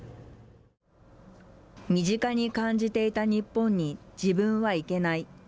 身近に感じていた日本に自分は行けない。